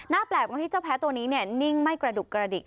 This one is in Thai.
แปลกตรงที่เจ้าแพ้ตัวนี้นิ่งไม่กระดุกกระดิก